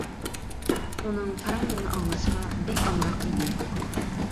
ئۇنىڭ پاراڭلىرىنى ئاڭلاشقا بەك ئامراق ئىدىم.